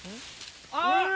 あっ。